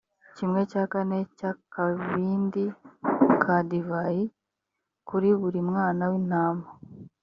kimwe cya kane cy’akabindi ka divayi kuri buri mwana w’intama.